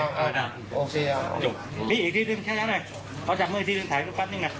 เอาจับมืออีกนิดนึงถ่ายกันแป๊บนึงนะ